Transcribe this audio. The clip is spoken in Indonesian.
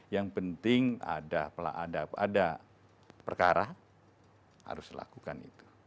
yang penting ada perkara harus dilakukan itu